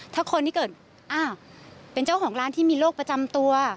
ถ้าคนที่เกิดอ้าวเป็นเจ้าของร้านที่มีโรคประจำตัว